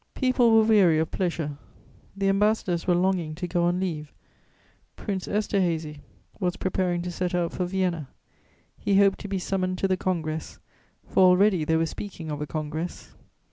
People were weary of pleasure; the ambassadors were longing to go on leave; Prince Esterhazy was preparing to set out for Vienna: he hoped to be summoned to the Congress, for already they were speaking of a congress.